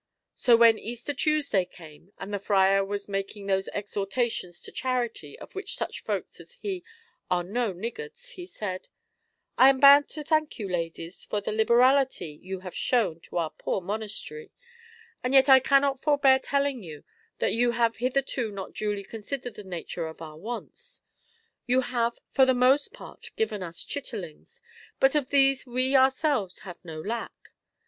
So when Easter Tuesday came, and the friar was making those exhortations to charity of which such folks as he are no niggards, he said " I am bound to thank you, ladies, for the libe rality you have shown to our poor monastery, and yet I cannot forbear telling you that you have hitherto not duly considered the nature of our wants. You have for the most part given us chitterlings, but of these we ourselves have no lack.